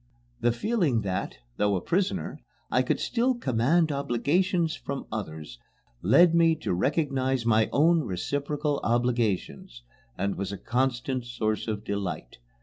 The feeling that, though a prisoner, I could still command obligations from others led me to recognize my own reciprocal obligations, and was a constant source of delight.